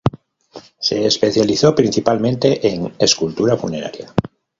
Se especializó principalmente en escultura funeraria.